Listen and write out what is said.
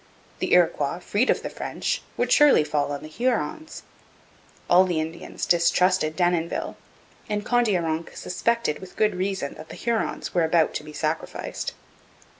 The Iroquois, freed of the French, would surely fall on the Hurons. All the Indians distrusted Denonville, and Kondiaronk suspected, with good reason, that the Hurons were about to be sacrificed.